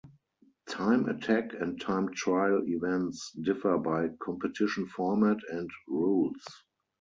Time attack and time trial events differ by competition format and rules.